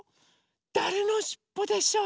だれのしっぽでしょう？